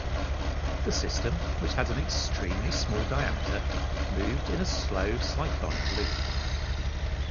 The system, which had an "extremely small diameter", moved in a slow cyclonic loop.